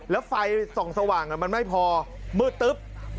แล้วไฟส่องสว่างมันไม่พอมืดตึ๊บ